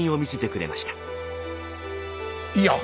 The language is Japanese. いや！